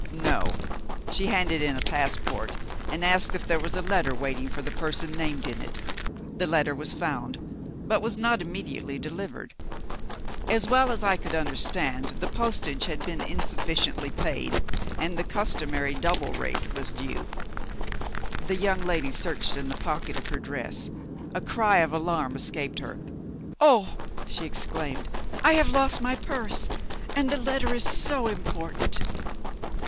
No; she handed in a passport, and asked if there was a letter waiting for the person named in it. The letter was found; but was not immediately delivered. As well as I could understand, the postage had been insufficiently paid, and the customary double rate was due. The young lady searched in the pocket of her dress a cry of alarm escaped her. "Oh!" she exclaimed, "I have lost my purse, and the letter is so important!"